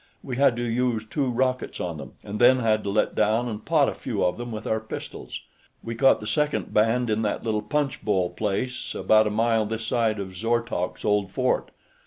We had to use two rockets on them, and then had to let down and pot a few of them with our pistols. We caught the second band in that little punchbowl place about a mile this side of Zortolk's Old Fort.